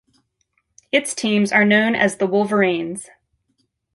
Its teams are known as the Wolverines.